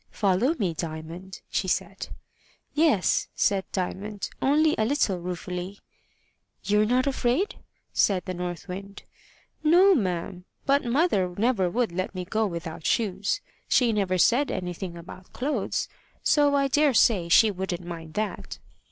"Follow me, Diamond," she said. "Yes," said Diamond, only a little ruefully. "You're not afraid?" said the North Wind. "No, ma'am; but mother never would let me go without shoes: she never said anything about clothes, so I dare say she wouldn't mind that."